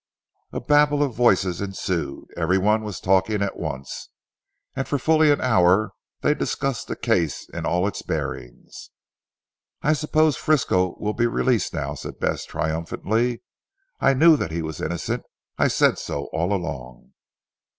A babel of voices ensued. Everyone was talking at once, and for fully an hour they discussed the case in all its bearings. "I suppose Frisco will be released now," said Bess triumphantly. "I knew that he was innocent. I said so all along."